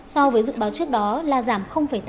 so với dự báo trước đó là giảm tám